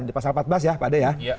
di pasal empat belas ya pak de ya